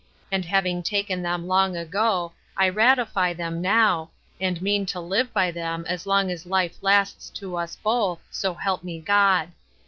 And having taken them long ago I ratify them now, and mean to live by them as long as life lasts to us both, so help me God.